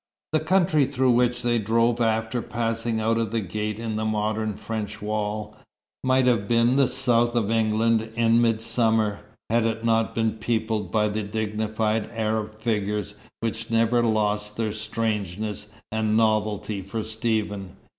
The country through which they drove after passing out of the gate in the modern French wall, might have been the south of England in midsummer, had it not been peopled by the dignified Arab figures which never lost their strangeness and novelty for Stephen.